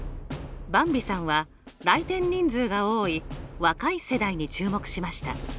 ばんびさんは来店人数が多い若い世代に注目しました。